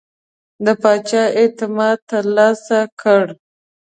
د پاچا اعتماد ترلاسه کړ.